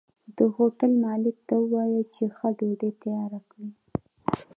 د هوټل مالک ته ووايه چې ښه ډوډۍ تياره کړي